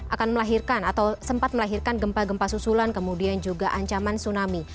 akan melahirkan atau sempat melahirkan gempa gempa susulan kemudian juga ancaman tsunami